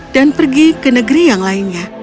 dan pergi ke negeri yang lainnya